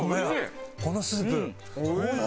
このスープ。